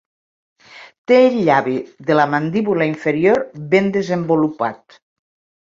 Té el llavi de la mandíbula inferior ben desenvolupat.